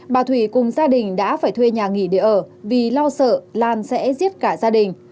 bà thủy cùng gia đình đã phải thuê nhà nghỉ để ở vì lo sợ lan sẽ giết cả gia đình